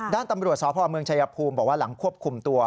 ด้านตำรวจสพเมืองชายภูมิบอกว่าหลังควบคุมตัว